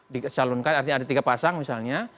dicalonkan artinya ada tiga pasang misalnya